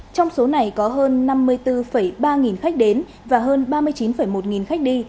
trong số này có hơn năm mươi bốn ba khách đến và hơn ba mươi chín một khách đi